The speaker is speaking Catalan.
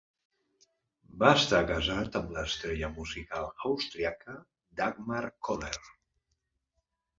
Va estar casat amb l'estrella musical austríaca, Dagmar Koller.